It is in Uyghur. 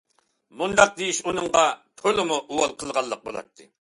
مۇنداق دېيىش ئۇنىڭغا تولىمۇ ئۇۋال قىلغانلىق بولاتتى.